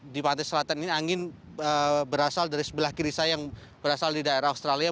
di pantai selatan ini angin berasal dari sebelah kiri saya yang berasal di daerah australia